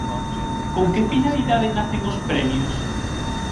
Con que finalidade nacen os premios?